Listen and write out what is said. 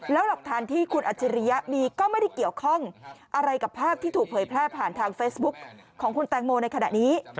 แล้วหลักฐานที่คุณอัจฉริยะมีก็ไม่ได้เกี่ยวข้องอะไรกับภาพที่ถูกเผยแพร่ผ่านทางเฟซบุ๊คของคุณแตงโมในขณะนี้